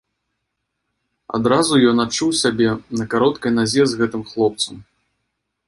Адразу ён адчуў сябе на кароткай назе з гэтым хлопцам.